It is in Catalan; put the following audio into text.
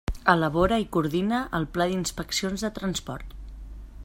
Elabora i coordina el Pla d'inspeccions de transport.